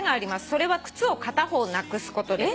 「それは靴を片方なくすことです。